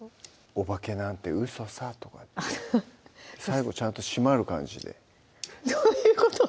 「おばけなんてうそさ」とか最後ちゃんと締まる感じでどういうこと？